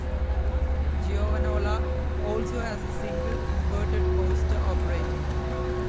Giovanola also has a single inverted coaster operating.